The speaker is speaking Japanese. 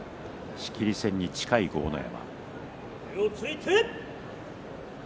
仕切り線に近い豪ノ山。